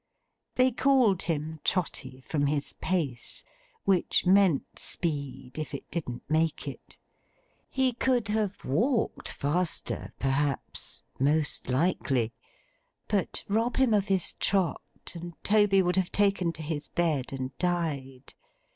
They called him Trotty from his pace, which meant speed if it didn't make it. He could have walked faster perhaps; most likely; but rob him of his trot, and Toby would have taken to his bed and died.